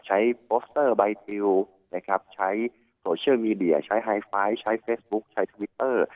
โปสเตอร์ใบทิวนะครับใช้โซเชียลมีเดียใช้ไฮไฟล์ใช้เฟซบุ๊คใช้ทวิตเตอร์